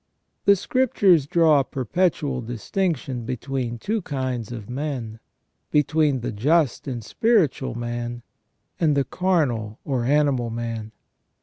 The Scriptures draw a perpetual distinction between two kinds of men, between the just and spiritual man and the carnal or animal man.